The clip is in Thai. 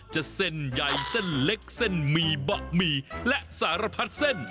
จะเส้นใหญ่เส้นเล็กเส้นหมี่บะหมี่และสารพัดเส้น